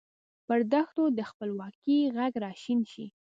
پر دښتونو د خپلواکۍ ږغ را شین شي